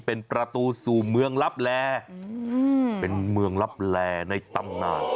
เป็นประตูสู่เมืองลับแลเป็นเมืองลับแลในตำนาน